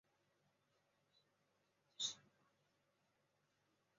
英国广播公司第一台还用热气球升空报导。